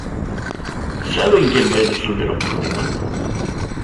¿Saben quen vai resolver o problema?